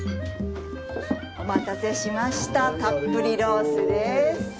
お待たせしましたたっぷりロースです。